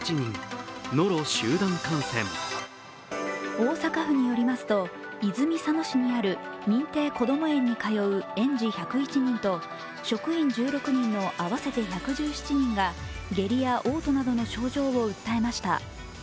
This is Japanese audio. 大阪府によりますと泉佐野市にある認定こども園に通う園児１０１人と職員１６人の合わせて１１７人が下痢やおう吐などの症状を訴えました。